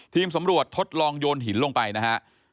สำรวจทดลองโยนหินลงไปนะฮะ